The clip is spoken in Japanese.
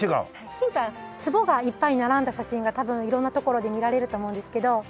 ヒントはつぼがいっぱい並んだ写真が多分色んな所で見られると思うんですけど。